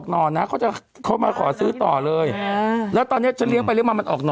นี่ก็เขากยุดสายเหรียญจริงเขาอุปสรรค